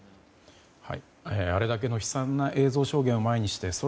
あれだけの悲惨な映像証言を前にして